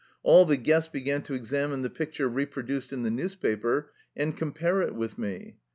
All the guests began to examine the picture reproduced in the newspaper and compare it with me.